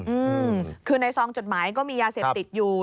อืมคือในซองจดหมายก็มียาเสพติดอยู่